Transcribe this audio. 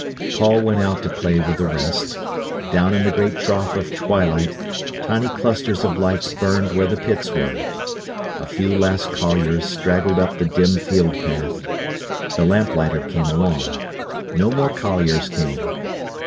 Paul went out to play with the rest. Down in the great trough of twilight, tiny clusters of lights burned where the pits were. A few last colliers straggled up the dim field path. The lamplighter came along. No more colliers came.